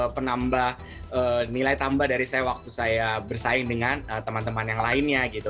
penambah nilai tambah dari saya waktu saya bersaing dengan teman teman yang lainnya gitu